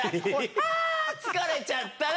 あ疲れちゃったね。